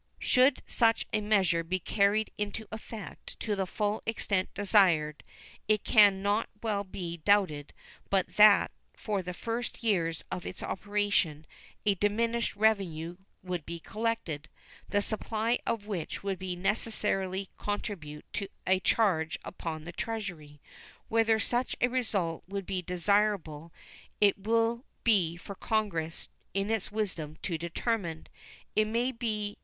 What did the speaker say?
Should such a measure be carried into effect to the full extent desired, it can not well be doubted but that for the first years of its operation a diminished revenue would be collected, the supply of which would necessarily constitute a charge upon the Treasury. Whether such a result would be desirable it will be for Congress in its wisdom to determine.